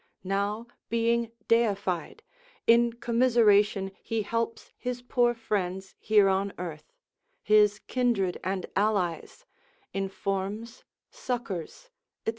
Now being deified, in commiseration he helps his poor friends here on earth, his kindred and allies, informs, succours, &c.